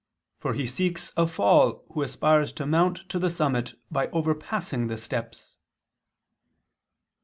For he seeks a fall who aspires to mount to the summit by overpassing the steps."